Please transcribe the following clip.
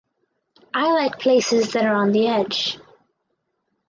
I like places that are on the edge.